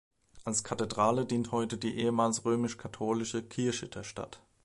Als Kathedrale dient heute die ehemals römisch-katholische Kirche der Stadt.